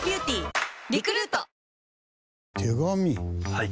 はい。